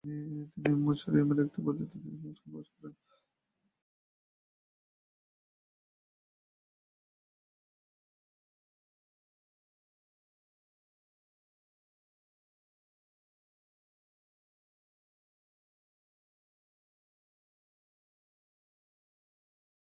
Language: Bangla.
শুরুতে তিনি উইকেট-রক্ষকের দায়িত্ব পালন করেন।